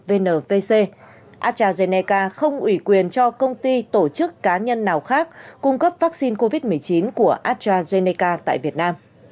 astrazeneca không ủy quyền cho công ty tổ chức cá nhân nào khác cung cấp vaccine covid một mươi chín của astrazeneca